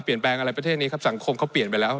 เปลี่ยนแบงอะไรภาพประเทศนี้สังคมเขาเปลี่ยนไปแล้ว